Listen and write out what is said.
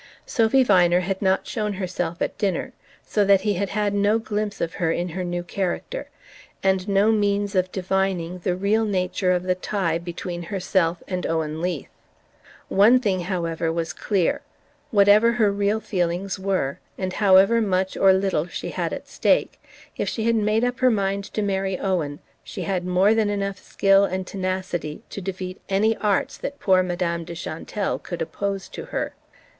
Sophy Viner had not shown herself at dinner, so that he had had no glimpse of her in her new character, and no means of divining the real nature of the tie between herself and Owen Leath. One thing, however, was clear: whatever her real feelings were, and however much or little she had at stake, if she had made up her mind to marry Owen she had more than enough skill and tenacity to defeat any arts that poor Madame de Chantelle could oppose to her.